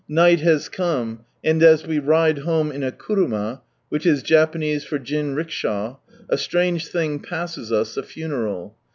Night has come, and as we ride home in a kuruma (which is Japanese for jinrickshaw), a strange thing passes us, a funeral.